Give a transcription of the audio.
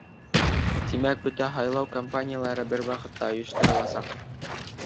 Тимәк, бөтә һайлау кампаниялары бер ваҡытта ойоштороласаҡ.